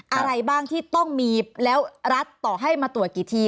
อะไรบ้างที่ต้องมีแล้วรัฐต่อให้มาตรวจกี่ที